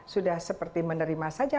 sudah seperti menerima saja